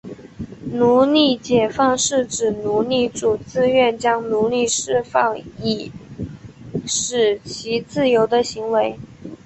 奴隶解放是指奴隶主自愿将奴隶释放以使其自由的行为。